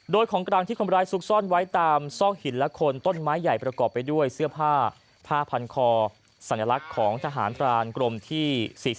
โดยของกลางที่คนร้ายซุกซ่อนไว้ตามซอกหินและคนต้นไม้ใหญ่ประกอบไปด้วยเสื้อผ้าผ้าพันคอสัญลักษณ์ของทหารพรานกรมที่๔๔